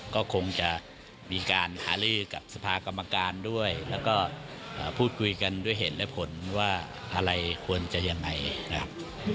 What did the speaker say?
ก็คงจะมีการหาลือกับสภากรรมการด้วยแล้วก็พูดคุยกันด้วยเหตุและผลว่าอะไรควรจะยังไงนะครับ